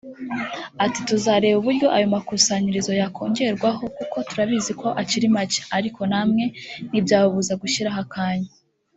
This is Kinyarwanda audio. Ati “Tuzareba uburyo ayo makusanyirizo yakongerwa kuko turabizi ko akiri make ariko namwe ntibyababuza gushyiraho akanyu”